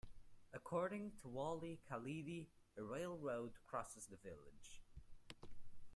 According to Walid Khalidi, a railroad crosses the village.